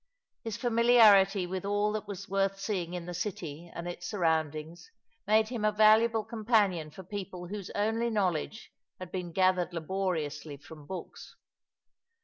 His familiarity with all that was worth seeing in the citj and its surroundings made him a valuable companion for people whose only knowledge had been gathered laboriously from books.